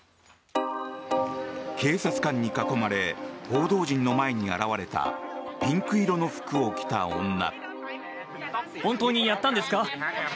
警察官に囲まれ報道陣の前に現れたピンク色の服を着た女。